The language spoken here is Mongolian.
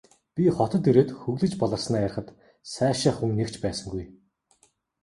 Би хотод ирээд хөглөж баларснаа ярихад сайшаах хүн нэг ч байсангүй.